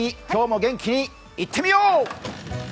今日も元気にいってみよう！